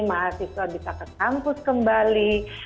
mahasiswa bisa ke kampus kembali